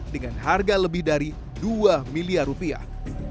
yang lebih dari dua miliar rupiah